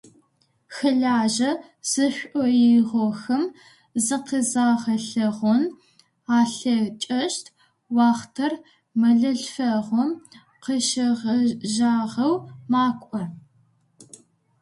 Хэлажьэ зышӏоигъохэм зыкъызагъэлъэгъон алъэкӏыщт уахътэр мэлылъфэгъум къыщегъэжьагъэу макӏо.